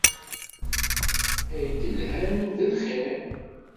Ay-gelhan d lxir